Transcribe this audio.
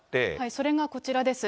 それがこちらです。